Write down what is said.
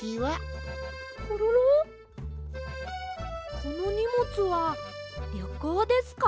このにもつはりょこうですか？